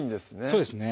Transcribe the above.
そうですね